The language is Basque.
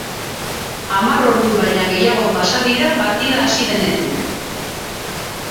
Hamar ordu baino gehiago pasa dira partida hasi denetik.